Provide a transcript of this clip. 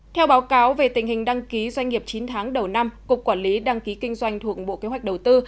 theo báo cáo về tình hình đăng ký doanh nghiệp chín tháng đầu năm cục quản lý đăng ký kinh doanh thuộc bộ kế hoạch đầu tư